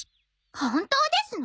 本当ですの！？